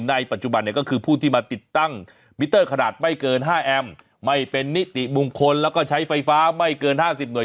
ในปัจจุบันเนี่ยก็คือผู้ที่มาติดตั้งมิเตอร์ขนาดไม่เกิน๕แอมไม่เป็นนิติบุคคลแล้วก็ใช้ไฟฟ้าไม่เกิน๕๐หน่วย